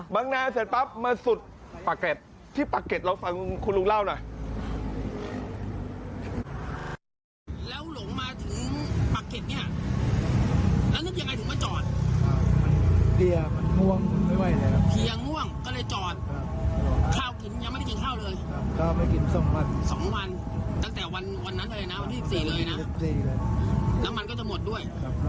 บังนาเสร็จปั๊บมาสุดปักเก็ตที่ปักเก็ตเราฟังคุณลุงเล่าหน่อย